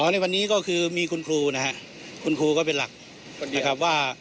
ในวันนี้ก็คือมีคุณครูนะครับคุณครูก็เป็นหลักนะครับว่า